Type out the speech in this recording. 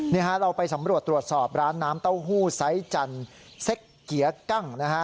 นี่ฮะเราไปสำรวจตรวจสอบร้านน้ำเต้าหู้ไซส์จันทร์เซ็กเกียกั้งนะฮะ